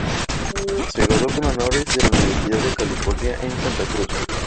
Se graduó con honores de la Universidad de California en Santa Cruz.